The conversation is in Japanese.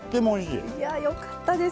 いやよかったです。